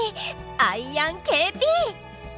アイアンＫＰ！